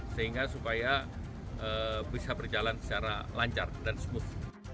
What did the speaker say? sehingga supaya bisa berjalan secara lancar dan smooth